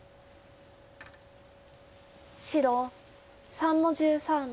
白３の十三ツギ。